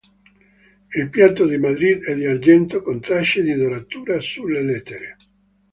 Il piatto di Madrid è d'argento, con tracce di doratura sulle lettere.